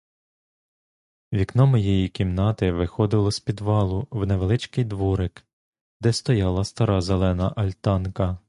Вікно моєї кімнати виходило з підвалу в невеличкий дворик, де стояла стара зелена альтанка.